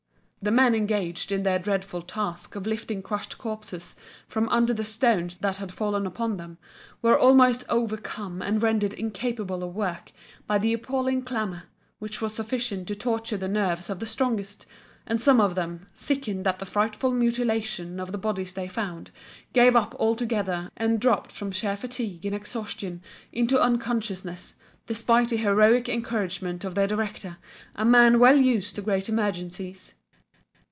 The men engaged in their dreadful task of lifting crushed corpses from under the stones that had fallen upon them, were almost overcome and rendered incapable of work by the appalling clamour, which was sufficient to torture the nerves of the strongest; and some of them, sickened at the frightful mutilation of the bodies they found gave up altogether and dropped from sheer fatigue and exhaustion into unconsciousness, despite the heroic encouragement of their director, a man well used to great emergencies.